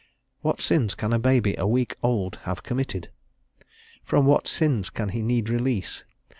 What sins can a baby a week old have committed? from what sins can he need release?